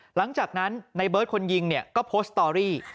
หลังจากนั้นในเบิร์ตคนยิงเนี่ยก็โพสต์สตอรี่